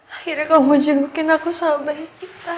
akhirnya kamu juga bikin aku sama hikitar